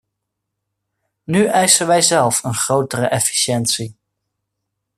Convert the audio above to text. Nu eisen wij zelf een grotere efficiëntie.